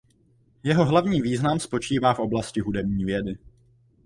Jeho hlavní význam spočívá v oblasti hudební vědy.